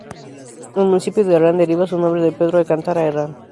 El municipio de Herrán deriva su nombre de Pedro Alcántara Herrán.